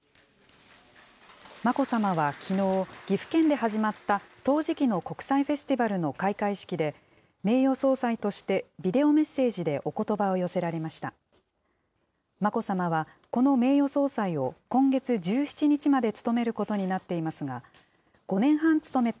眞子さまはきのう、岐阜県で始まった陶磁器の国際フェスティバルの開会式で、名誉総裁としてビデオメッセージでおことばを寄せられました。